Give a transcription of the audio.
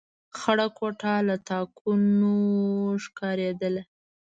خړه کوټه له تاکونو ښکارېدله.